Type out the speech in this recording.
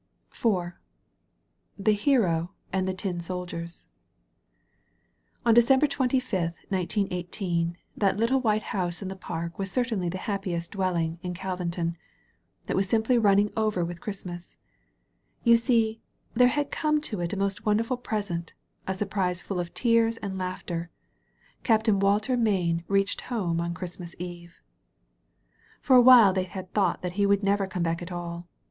230 THE HERO AND TIN SOLDIERS On December twenty fifth, 1918, that little white house in the park was certainly the happiest dwel ling in Calvinton. It was simply running over with Christmas. You see, there had come to it a most wonderful present, a surprise full of tears and laughter. Cap tain Walter Mayne reached home on Christmas Eve. For a while they had thought that he would never come back at all.